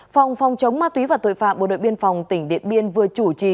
phòng phòng chống ma túy và tội phạm bộ đội biên phòng tỉnh điện biên vừa chủ trì